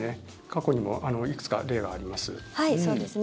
過去にもいくつか例があります。